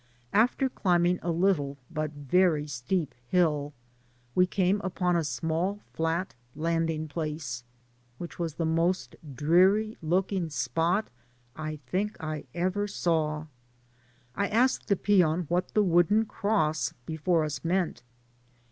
After climb ing a little but very steep hill, we came upon a small flat landing place, which was the most dreary look ing spot I think I ever saw. I asked the peon what the wooden cross before us meant?